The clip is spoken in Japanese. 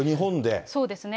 そうですね。